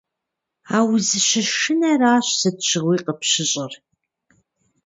А узыщышынэращ сыт щыгъуи къыпщыщӀыр.